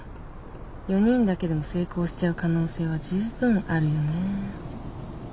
４人だけでも成功しちゃう可能性は十分あるよね。